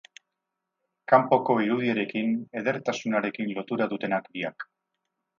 Kanpoko irudiarekin, edertasunarekin lotura dutenak biak.